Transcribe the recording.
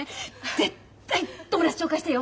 絶対友達紹介してよ。